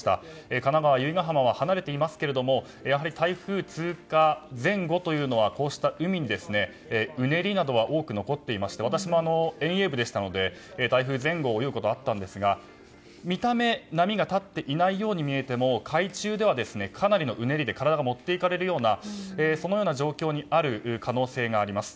神奈川・由比ガ浜は離れてはいますがやはり台風通過前後というのはこうした海にうねりなどが多く残っていまして私も遠泳部でしたので台風前後に泳ぐことはあったんですが見た目波が立っていないように見えても海中では、かなりのうねりで体が持っていかれるようなそのような状況にある可能性があります。